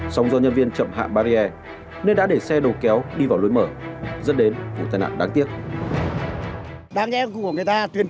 song do nhân viên chậm hạ barrier nên đã để xe đầu kéo đi vào lối mở dẫn đến vụ tai nạn đáng tiếc